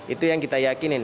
itu yang kita yakinin